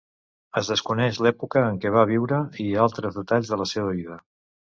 Es desconeix l'època en què va viure i altres detalls de la seva vida.